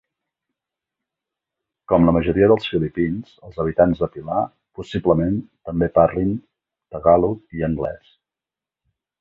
Com la majoria dels filipins, els habitants de Pilar possiblement també parlin tagàlog i anglès.